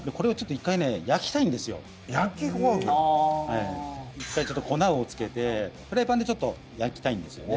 ええ一回粉を付けてフライパンで焼きたいんですよね